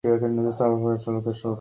তুমি দুপুরের খাবার খেয়েছ?